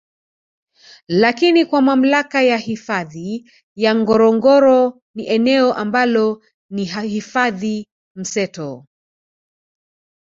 Lakini kwa mamlaka ya hifadhi ya Ngorongoro ni eneo ambalo ni hifadhi mseto